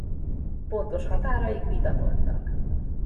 Pontos határaik vitatottak.